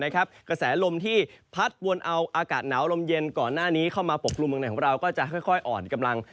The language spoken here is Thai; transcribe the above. กระแสลมที่พัดวนเอาอากาศหนาวลมเย็นก่อนหน้านี้เข้ามาปกกลุ่มเมืองไหนของเราก็จะค่อยอ่อนกำลัง